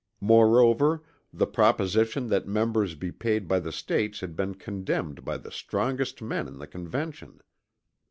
Moreover the proposition that members be paid by the States had been condemned by the strongest men in the Convention.